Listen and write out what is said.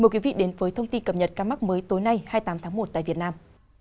mời quý vị đến với thông tin cập nhật ca mắc mới tối nay hai mươi tám tháng một tại việt nam